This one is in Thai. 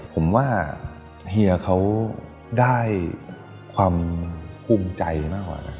ผมว่าเฮียเขาได้ความภูมิใจมากกว่านะ